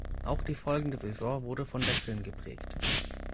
Auch die folgende Saison wurde von Wechseln geprägt.